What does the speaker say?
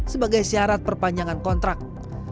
sebagai syarat perpanjangan kontrak